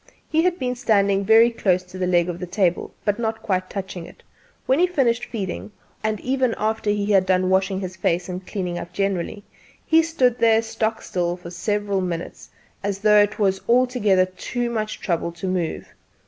He had been standing very close to the leg of the table, but not quite touching it, when he finished feeding; and even after he had done washing his face and cleaning up generally, he stood there stock still for several minutes, as though it was altogether too much trouble to move.